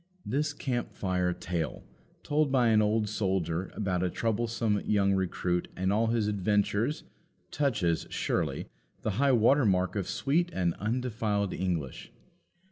This camp fire tale, told by an old soldier, about a troublesome young recruit and all his adventures, touches, surely, the high water mark of sweet and undefiled English.